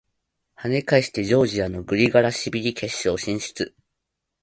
跳ね返してジョージアのグリガラシビリ決勝進出！